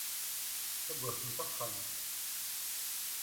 Tawwurt n texxamt.